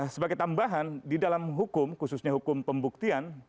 sebagai tambahan di dalam hukum khususnya hukum pembuktian